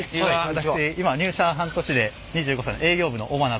私今入社半年で２５歳の営業部の尾花と申します。